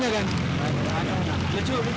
yang mudik yang balik supaya semangat